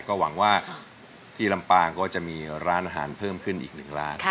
ก็หวังว่าที่ลำปางก็จะมีร้านอาหารเพิ่มขึ้นอีกหนึ่งร้าน